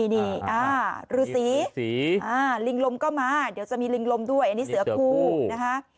นี่ฤษีลิงลมก็มาเดี๋ยวจะมีลิงลมด้วยอันนี้เสือคู่นะคะ